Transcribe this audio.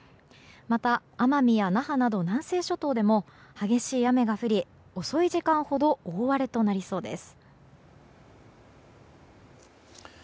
また奄美や那覇など南西諸島でも激しい雨が降り、遅い時間ほど大荒れとなりそうです。